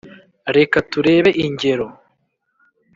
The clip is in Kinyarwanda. Reka turebe ingero